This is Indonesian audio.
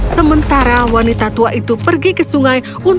sementara wanita tua itu pergi ke suatu rumah yang bagus